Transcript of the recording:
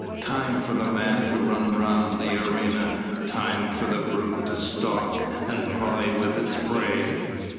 Time for the man to run round the arena! Time for the brute to stalk and play with its prey!